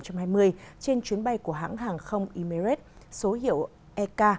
trên chuyến bay của hãng hàng không emirates số hiệu ek ba trăm chín mươi hai